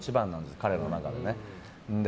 彼の中では。